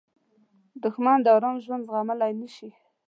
دښمن د آرام ژوند زغملی نه شي